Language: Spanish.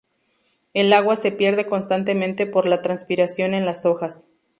El agua se pierde constantemente por la transpiración en las hojas.